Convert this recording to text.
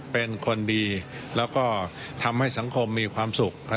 เป็นคนดีแล้วก็ทำให้สังคมมีความสุข